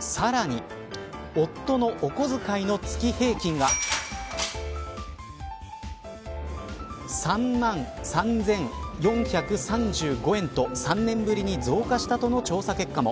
さらに、夫のお小遣いの月平均が３万３４３５円と３年ぶりに増加したとの調査結果も。